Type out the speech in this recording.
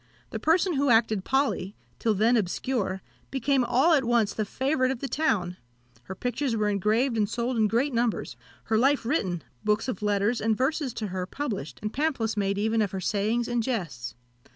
The person who acted Polly, till then obscure, became all at once the favourite of the town; her pictures were engraved and sold in great numbers; her life written, books of letters and verses to her published, and pamphlets made even of her sayings and jests.